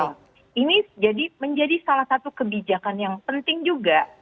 nah ini menjadi salah satu kebijakan yang penting juga